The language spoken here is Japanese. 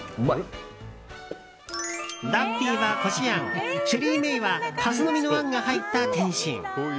ダッフィーはこしあんシェリー・メイはハスの実のあんが入った点心。